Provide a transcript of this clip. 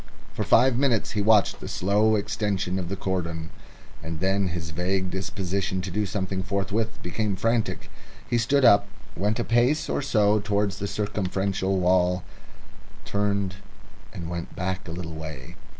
For five minutes he watched the slow extension of the cordon, and then his vague disposition to do something forthwith became frantic. He stood up, went a pace or so towards the circumferential wall, turned, and went back a little way.